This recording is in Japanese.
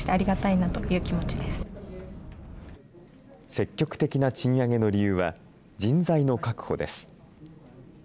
積極的な賃上げの理由は、人材の確保です。